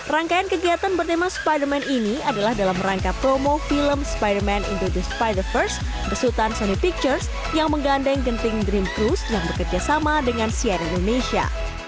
rangkaian kegiatan bertema spiderman ini adalah dalam rangka promo film spiderman introduce spideverse bersutan sony pictures yang menggandeng genting dream cruise yang bekerja sama dengan siar indonesia